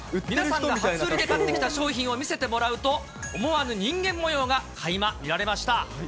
皆さんが初売りで買ってきた商品を見せてもらうと、思わぬ人間もようがかいま見られました。